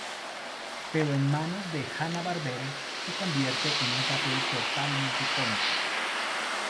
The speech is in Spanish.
Pero en manos de Hanna-Barbera, se convierte en un papel totalmente cómico.